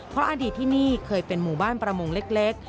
เพราะอดีตที่นี่เคยเป็นหมู่บ้านประมงเล็ก